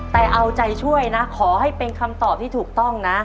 แต่เอาใจช่วยนะขอให้เป็นคำตอบที่ถูกต้องนะ